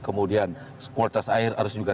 kemudian kualitas air harus juga